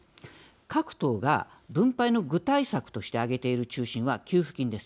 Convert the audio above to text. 各党が分配の具体策として挙げている中心は給付金です。